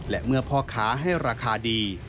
และเมื่อพ่อค้าให้ราคาดี